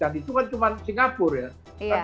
dan itu kan cuma singapura ya